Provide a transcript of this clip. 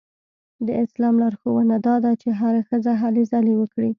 د اسلام لارښوونه دا ده چې هره ښځه هلې ځلې وکړي.